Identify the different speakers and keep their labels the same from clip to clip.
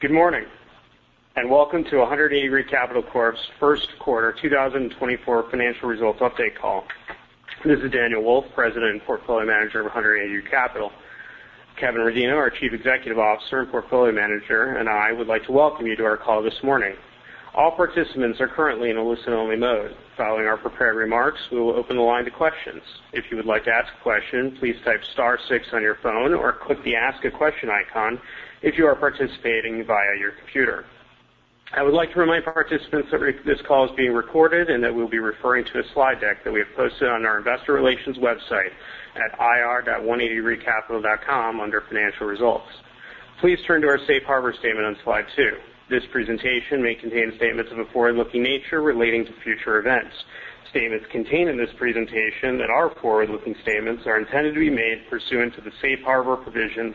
Speaker 1: Good morning and welcome to 180 Degree Capital Corp's First Quarter 2024 Financial Results Update Call. This is Daniel Wolfe, President and Portfolio Manager of 180 Degree Capital. Kevin Rendino, our Chief Executive Officer and Portfolio Manager, and I would like to welcome you to our call this morning. All participants are currently in a listen-only mode. Following our prepared remarks, we will open the line to questions. If you would like to ask a question, please type star six on your phone or click the Ask a Question icon if you are participating via your computer. I would like to remind participants that this call is being recorded and that we will be referring to a slide deck that we have posted on our Investor Relations website at ir.180degreecapital.com under Financial Results. Please turn to our Safe Harbor Statement on slide 2. This presentation may contain statements of a forward-looking nature relating to future events. Statements contained in this presentation that are forward-looking statements are intended to be made pursuant to the Safe Harbor provisions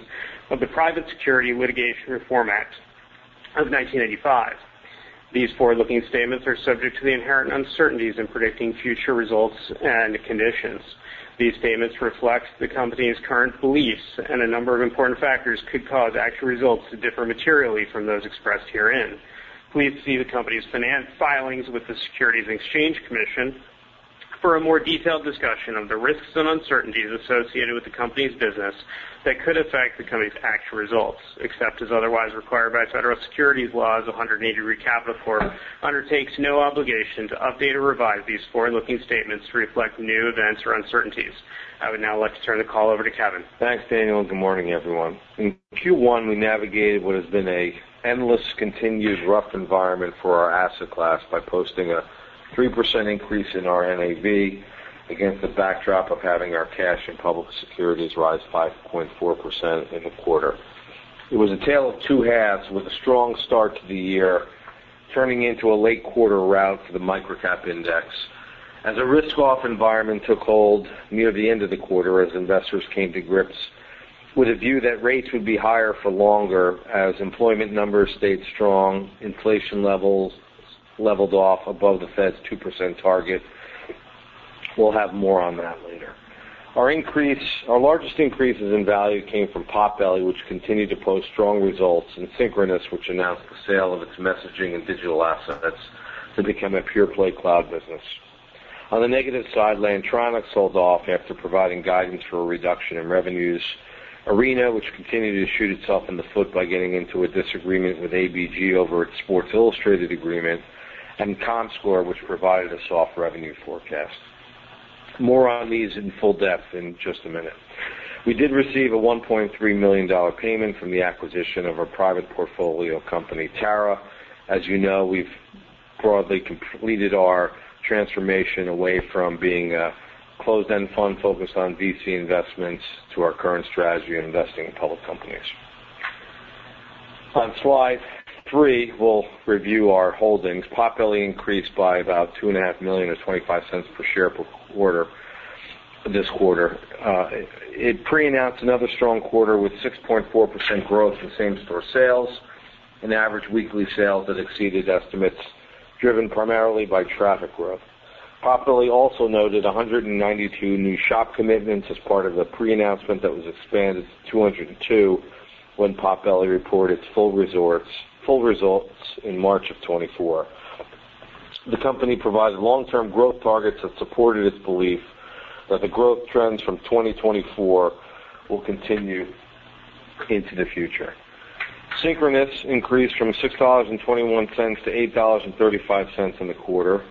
Speaker 1: of the Private Securities Litigation Reform Act of 1985. These forward-looking statements are subject to the inherent uncertainties in predicting future results and conditions. These statements reflect the company's current beliefs and a number of important factors could cause actual results to differ materially from those expressed herein. Please see the company's financial filings with the Securities and Exchange Commission for a more detailed discussion of the risks and uncertainties associated with the company's business that could affect the company's actual results, except as otherwise required by federal securities laws. 180 Degree Capital Corp undertakes no obligation to update or revise these forward-looking statements to reflect new events or uncertainties. I would now like to turn the call over to Kevin.
Speaker 2: Thanks, Daniel. Good morning, everyone. In Q1, we navigated what has been an endless, continued, rough environment for our asset class by posting a 3% increase in our NAV against the backdrop of having our cash and public securities rise 5.4% in the quarter. It was a tale of two halves with a strong start to the year turning into a late quarter rout for the Microcap Index. As a risk-off environment took hold near the end of the quarter as investors came to grips with a view that rates would be higher for longer as employment numbers stayed strong, inflation levels leveled off above the Fed's 2% target. We'll have more on that later. Our largest increases in value came from Potbelly, which continued to post strong results, and Synchronoss, which announced the sale of its messaging and digital assets to become a pure-play cloud business. On the negative side, Lantronix sold off after providing guidance for a reduction in revenues. Arena, which continued to shoot itself in the foot by getting into a disagreement with ABG over its Sports Illustrated agreement, and Comscore, which provided a soft revenue forecast. More on these in full depth in just a minute. We did receive a $1.3 million payment from the acquisition of our private portfolio company, TARA. As you know, we've broadly completed our transformation away from being a closed-end fund focused on VC investments to our current strategy of investing in public companies. On slide 3, we'll review our holdings. Potbelly increased by about $2.5 million or $0.25 per share this quarter. It pre-announced another strong quarter with 6.4% growth in same-store sales, an average weekly sales that exceeded estimates driven primarily by traffic growth. Potbelly also noted 192 new shop commitments as part of a pre-announcement that was expanded to 202 when Potbelly reported its full results in March of 2024. The company provided long-term growth targets that supported its belief that the growth trends from 2024 will continue into the future. Synchronoss increased from $6.21-$8.35 in the quarter.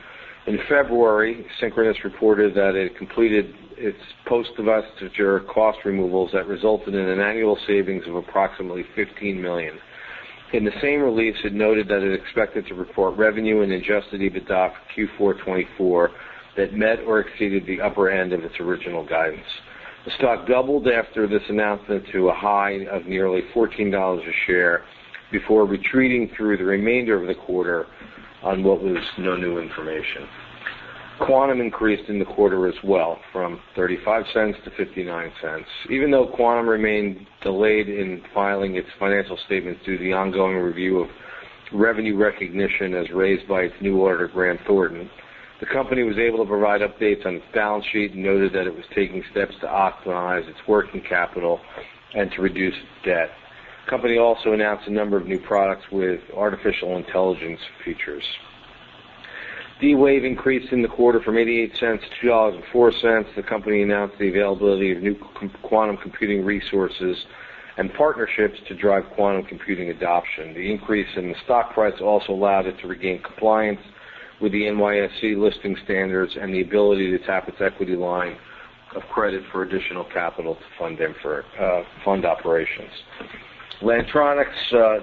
Speaker 2: In February, Synchronoss reported that it completed its post-divestiture cost removals that resulted in an annual savings of approximately $15 million. In the same release, it noted that it expected to report revenue and adjusted EBITDA for Q4 2024 that met or exceeded the upper end of its original guidance. The stock doubled after this announcement to a high of nearly $14 a share before retreating through the remainder of the quarter on what was no new information. Quantum increased in the quarter as well from $0.35-$0.59. Even though Quantum remained delayed in filing its financial statements due to the ongoing review of revenue recognition as raised by its auditor, Grant Thornton, the company was able to provide updates on its balance sheet and noted that it was taking steps to optimize its working capital and to reduce debt. The company also announced a number of new products with artificial intelligence features. D-Wave increased in the quarter from $0.88-$2.04. The company announced the availability of new quantum computing resources and partnerships to drive quantum computing adoption. The increase in the stock price also allowed it to regain compliance with the NYSE listing standards and the ability to tap its equity line of credit for additional capital to fund operations. Lantronix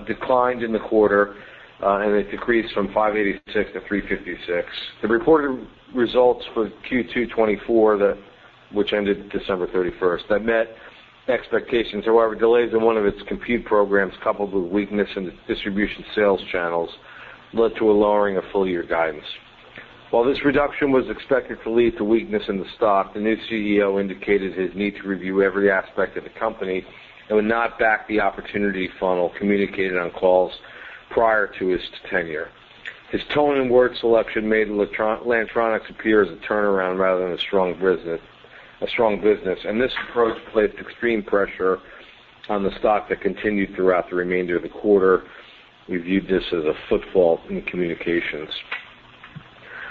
Speaker 2: declined in the quarter, and it decreased from $586-$356. The reported results for Q2 2024, which ended December 31st, met expectations. However, delays in one of its compute programs, coupled with weakness in its distribution sales channels, led to a lowering of full-year guidance. While this reduction was expected to lead to weakness in the stock, the new CEO indicated his need to review every aspect of the company and would not back the opportunity funnel communicated on calls prior to his tenure. His tone and word selection made Lantronix appear as a turnaround rather than a strong business, and this approach placed extreme pressure on the stock that continued throughout the remainder of the quarter. We viewed this as a faux pas in communications.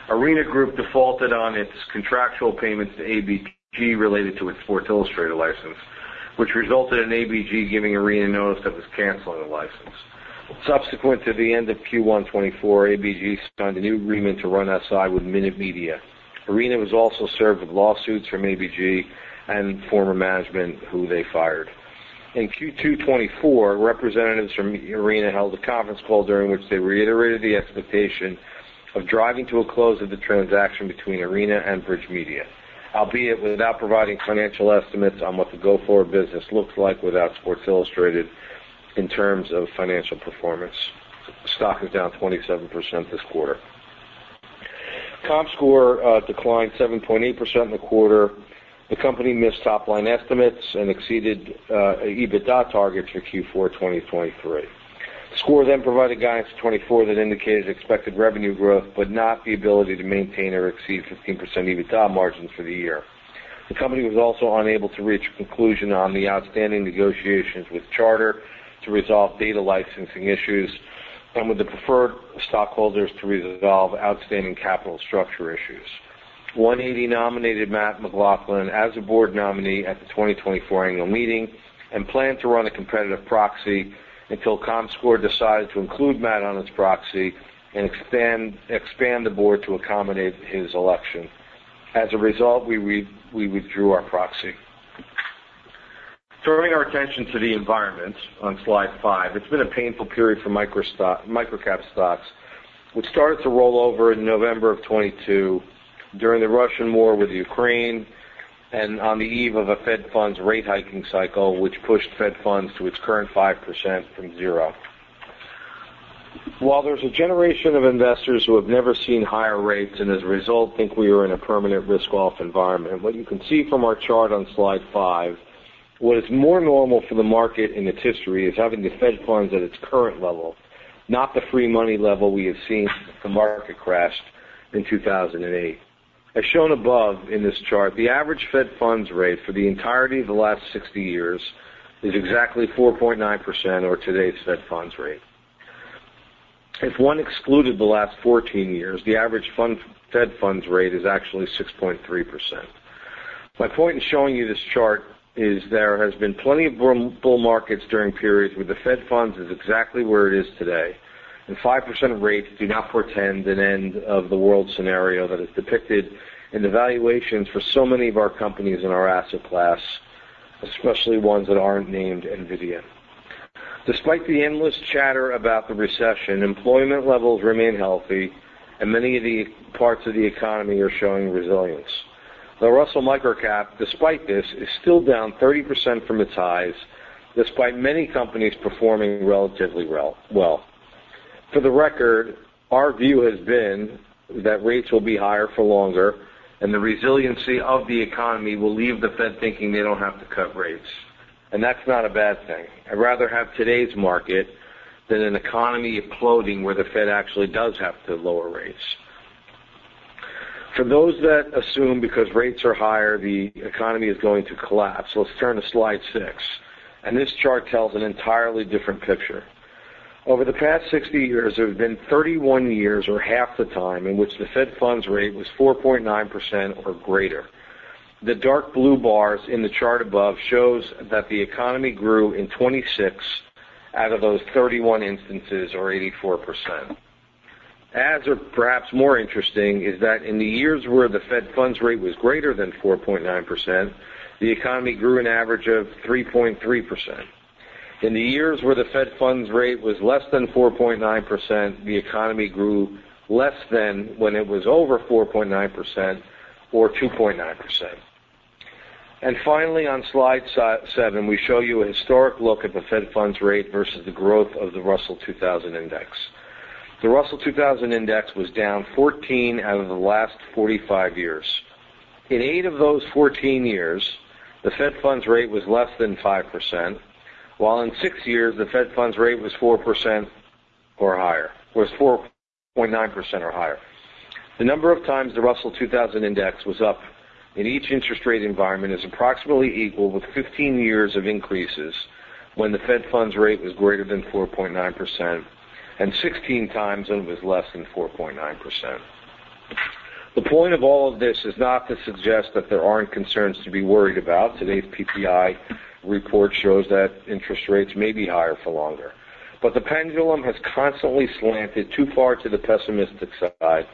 Speaker 2: Arena Group defaulted on its contractual payments to ABG related to its Sports Illustrated license, which resulted in ABG giving Arena notice that it was canceling the license. Subsequent to the end of Q1 2024, ABG signed a new agreement to run SI with Minute Media. Arena was also served with lawsuits from ABG and former management, who they fired. In Q2 2024, representatives from Arena held a conference call during which they reiterated the expectation of driving to a close of the transaction between Arena and Bridge Media, albeit without providing financial estimates on what the go-forward business looks like without Sports Illustrated in terms of financial performance. The stock is down 27% this quarter. Comscore declined 7.8% in the quarter. The company missed top-line estimates and exceeded EBITDA targets for Q4 2023. Comscore then provided guidance to 2024 that indicated expected revenue growth but not the ability to maintain or exceed 15% EBITDA margins for the year. The company was also unable to reach a conclusion on the outstanding negotiations with Charter to resolve data licensing issues and with the preferred stockholders to resolve outstanding capital structure issues. 180 nominated Matt McLaughlin as a board nominee at the 2024 annual meeting and planned to run a competitive proxy until Comscore decided to include Matt on its proxy and expand the board to accommodate his election. As a result, we withdrew our proxy. Turning our attention to the environment on slide 5, it's been a painful period for microcap stocks, which started to roll over in November of 2022 during the Russian war with Ukraine and on the eve of a Fed funds rate hiking cycle, which pushed Fed funds to its current 5% from zero. While there's a generation of investors who have never seen higher rates and, as a result, think we are in a permanent risk-off environment, what you can see from our chart on slide 5, what is more normal for the market in its history is having the Fed Funds Rate at its current level, not the free money level we have seen the market crashed in 2008. As shown above in this chart, the average Fed Funds Rate for the entirety of the last 60 years is exactly 4.9% or today's Fed Funds Rate. If one excluded the last 14 years, the average Fed Funds Rate is actually 6.3%. My point in showing you this chart is there has been plenty of bull markets during periods where the Fed funds is exactly where it is today, and 5% rates do not portend an end of the world scenario that is depicted in the valuations for so many of our companies in our asset class, especially ones that aren't named NVIDIA. Despite the endless chatter about the recession, employment levels remain healthy, and many of the parts of the economy are showing resilience. The Russell Microcap, despite this, is still down 30% from its highs despite many companies performing relatively well. For the record, our view has been that rates will be higher for longer and the resiliency of the economy will leave the Fed thinking they don't have to cut rates, and that's not a bad thing. I'd rather have today's market than an economy imploding where the Fed actually does have to lower rates. For those that assume because rates are higher the economy is going to collapse, let's turn to slide 6, and this chart tells an entirely different picture. Over the past 60 years, there have been 31 years or half the time in which the Fed Funds Rate was 4.9% or greater. The dark blue bars in the chart above show that the economy grew in 26 out of those 31 instances or 84%. As are perhaps more interesting, is that in the years where the Fed Funds Rate was greater than 4.9%, the economy grew an average of 3.3%. In the years where the Fed Funds Rate was less than 4.9%, the economy grew less than when it was over 4.9% or 2.9%. Finally, on slide 7, we show you a historic look at the Fed funds rate versus the growth of the Russell 2000 Index. The Russell 2000 Index was down 14 out of the last 45 years. In 8 of those 14 years, the Fed funds rate was less than 5%, while in 6 years, the Fed funds rate was 4% or higher, was 4.9% or higher. The number of times the Russell 2000 Index was up in each interest rate environment is approximately equal with 15 years of increases when the Fed funds rate was greater than 4.9% and 16 times when it was less than 4.9%. The point of all of this is not to suggest that there aren't concerns to be worried about. Today's PPI report shows that interest rates may be higher for longer, but the pendulum has constantly slanted too far to the pessimistic side,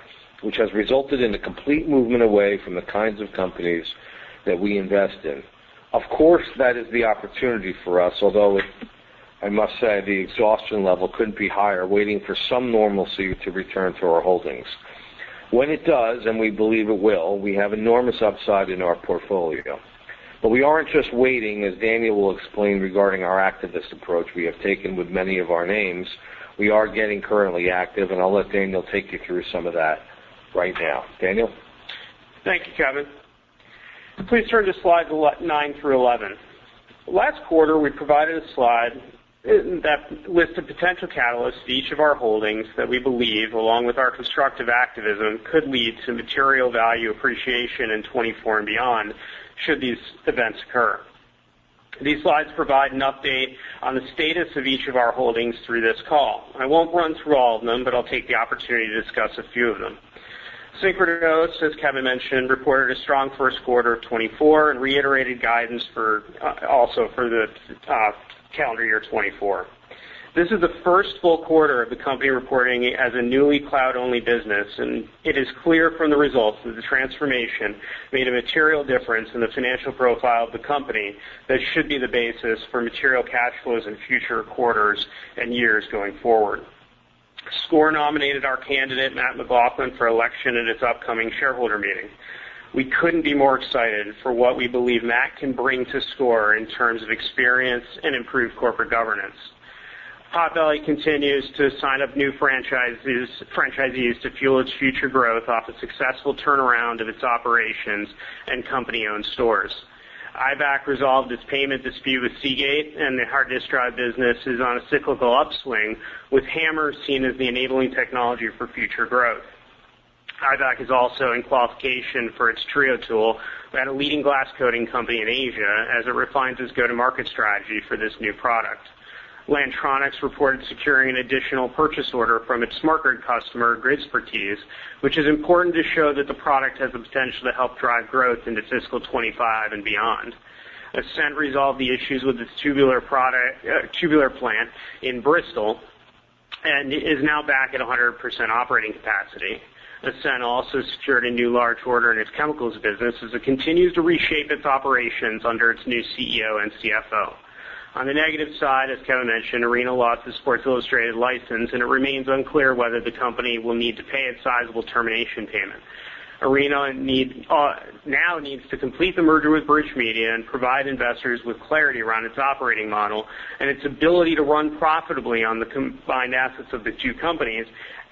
Speaker 2: which has resulted in a complete movement away from the kinds of companies that we invest in. Of course, that is the opportunity for us, although I must say the exhaustion level couldn't be higher waiting for some normalcy to return to our holdings. When it does, and we believe it will, we have enormous upside in our portfolio. But we aren't just waiting, as Daniel will explain regarding our activist approach we have taken with many of our names. We are getting currently active, and I'll let Daniel take you through some of that right now. Daniel?
Speaker 1: Thank you, Kevin. Please turn to slides 9 through 11. Last quarter, we provided a slide that listed potential catalysts to each of our holdings that we believe, along with our constructive activism, could lead to material value appreciation in 2024 and beyond should these events occur. These slides provide an update on the status of each of our holdings through this call. I won't run through all of them, but I'll take the opportunity to discuss a few of them. Synchronoss, as Kevin mentioned, reported a strong first quarter of 2024 and reiterated guidance also for the calendar year 2024. This is the first full quarter of the company reporting as a newly cloud-only business, and it is clear from the results that the transformation made a material difference in the financial profile of the company that should be the basis for material cash flows in future quarters and years going forward. Comscore nominated our candidate, Matt McLaughlin, for election at its upcoming shareholder meeting. We couldn't be more excited for what we believe Matt can bring to Comscore in terms of experience and improved corporate governance. Potbelly continues to sign up new franchisees to fuel its future growth off a successful turnaround of its operations and company-owned stores. IBAC resolved its payment dispute with Seagate, and the hard-disk drive business is on a cyclical upswing with HAMR seen as the enabling technology for future growth. IBAC is also in qualification for its Trio tool at a leading glass coating company in Asia as it refines its go-to-market strategy for this new product. Lantronix reported securing an additional purchase order from its SmartGrid customer, Gridspertise, which is important to show that the product has the potential to help drive growth into fiscal 2025 and beyond. Ascent resolved the issues with its tubular plant in Bristol and is now back at 100% operating capacity. Ascent also secured a new large order in its chemicals business as it continues to reshape its operations under its new CEO and CFO. On the negative side, as Kevin mentioned, Arena lost its Sports Illustrated license, and it remains unclear whether the company will need to pay its sizable termination payment. Arena now needs to complete the merger with Bridge Media and provide investors with clarity around its operating model and its ability to run profitably on the combined assets of the two companies,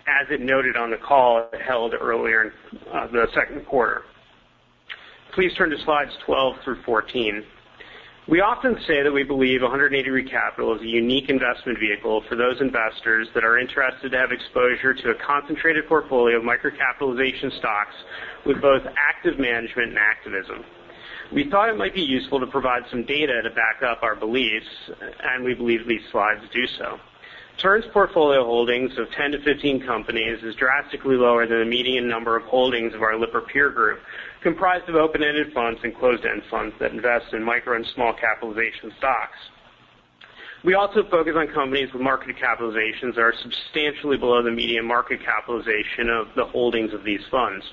Speaker 1: as it noted on the call it held earlier in the second quarter. Please turn to slides 12 through 14. We often say that we believe 180 Degree Capital is a unique investment vehicle for those investors that are interested to have exposure to a concentrated portfolio of microcapitalization stocks with both active management and activism. We thought it might be useful to provide some data to back up our beliefs, and we believe these slides do so. TURN's portfolio holdings of 10-15 companies is drastically lower than the median number of holdings of our Lipper Peer Group, comprised of open-ended funds and closed-end funds that invest in micro and small capitalization stocks. We also focus on companies with market capitalizations that are substantially below the median market capitalization of the holdings of these funds.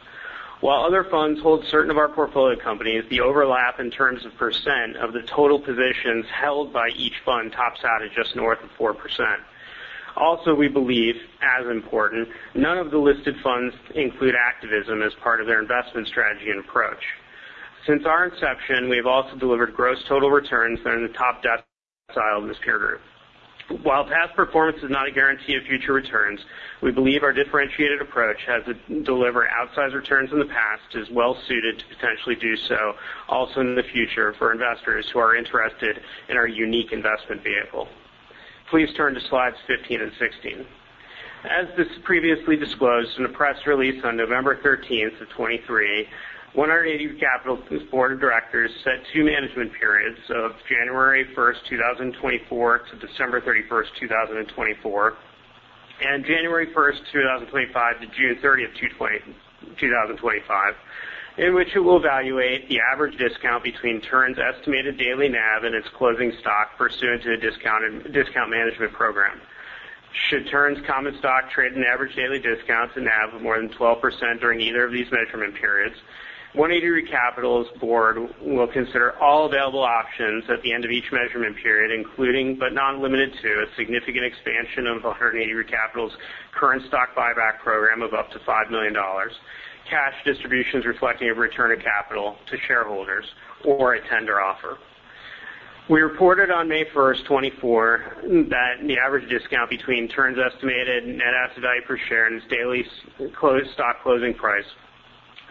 Speaker 1: While other funds hold certain of our portfolio companies, the overlap in terms of percent of the total positions held by each fund tops out at just north of 4%. Also, we believe, as important, none of the listed funds include activism as part of their investment strategy and approach. Since our inception, we have also delivered gross total returns that are in the top decile of this peer group. While past performance is not a guarantee of future returns, we believe our differentiated approach has delivered outsized returns in the past, is well-suited to potentially do so also in the future for investors who are interested in our unique investment vehicle. Please turn to slides 15 and 16. As previously disclosed, in a press release on November 13th, 2023, 180 Degree Capital's board of directors set two measurement periods of January 1st, 2024, to December 31st, 2024, and January 1st, 2025, to June 30th, 2025, in which it will evaluate the average discount between TURN's estimated daily NAV and its closing stock price pursuant to the Discount Management Program. Should TURN's common stock trade at an average daily discount to NAV of more than 12% during either of these measurement periods, 180 Degree Capital's board will consider all available options at the end of each measurement period, including but not limited to a significant expansion of 180 Degree Capital's current stock buyback program of up to $5 million, cash distributions reflecting a return of capital to shareholders, or a tender offer. We reported on May 1st, 2024, that the average discount between Turn's estimated net asset value per share and its daily stock closing price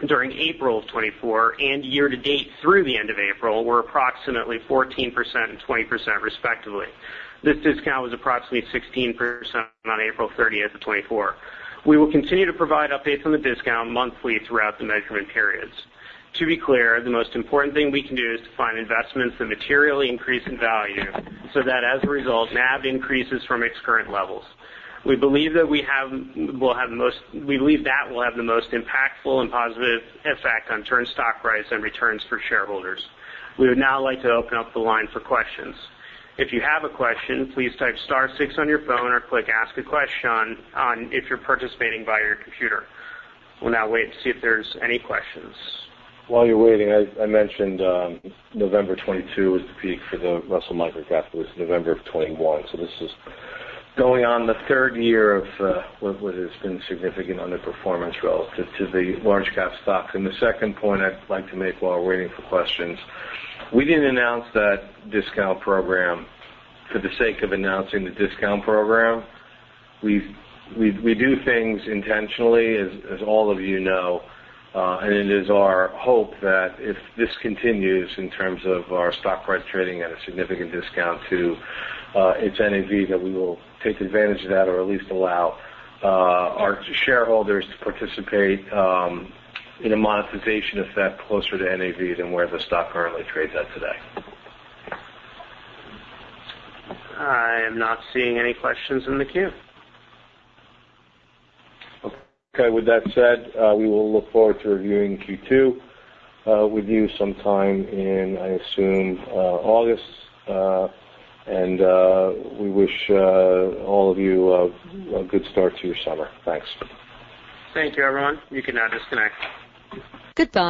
Speaker 1: during April of 2024 and year-to-date through the end of April were approximately 14% and 20%, respectively. This discount was approximately 16% on April 30th of 2024. We will continue to provide updates on the discount monthly throughout the measurement periods. To be clear, the most important thing we can do is to find investments that materially increase in value so that, as a result, NAV increases from its current levels. We believe that we will have the most we believe that will have the most impactful and positive effect on Turn's stock price and returns for shareholders. We would now like to open up the line for questions. If you have a question, please type star six on your phone or click Ask a Question if you're participating via your computer. We'll now wait to see if there's any questions.
Speaker 2: While you're waiting, I mentioned November 2022 was the peak for the Russell Microcap, but it's November of 2021. So this is going on the third year of what has been significant underperformance relative to the large-cap stocks. And the second point I'd like to make while we're waiting for questions, we didn't announce that discount program for the sake of announcing the discount program. We do things intentionally, as all of you know, and it is our hope that if this continues in terms of our stock price trading at a significant discount to its NAV, that we will take advantage of that or at least allow our shareholders to participate in a monetization effect closer to NAV than where the stock currently trades at today.
Speaker 1: I am not seeing any questions in the queue.
Speaker 2: Okay. With that said, we will look forward to reviewing Q2 with you sometime in, I assume, August, and we wish all of you a good start to your summer. Thanks.
Speaker 1: Thank you, everyone. You can now disconnect.
Speaker 3: Goodbye.